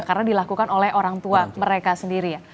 karena dilakukan oleh orang tua mereka sendiri ya